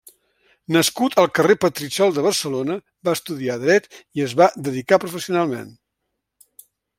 Nascut al carrer Petritxol de Barcelona, va estudiar dret i es va dedicar professionalment.